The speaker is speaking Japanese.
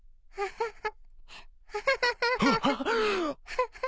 ハハハハ。